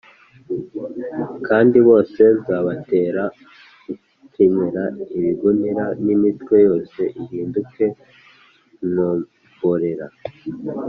kandi bose nzabatera gukenyera ibigunira n’imitwe yose ihinduke inkomborera